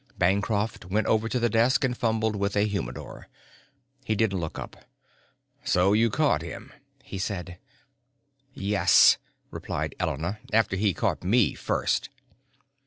Bancroft went over to the desk and fumbled with a humidor. He didn't look up. "So you caught him," he said. "Yes," replied Elena. "After he caught me first."